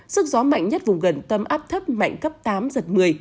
sức gió mạnh nhất vùng gần tâm áp thấp mạnh cấp tám giật một mươi